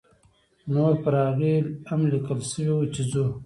نو پر هغې هم لیکل شوي وو چې ځو.